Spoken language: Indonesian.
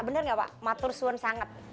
benar gak pak matur suan sangat